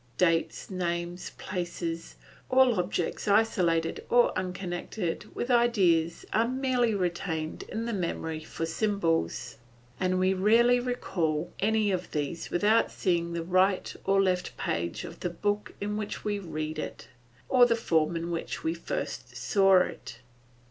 Dates, names, places, all objects isolated or unconnected with ideas are merely retained in the memory for symbols, and we rarely recall any of these without seeing the right or left page of the book in which we read it, or the form in which we first saw it.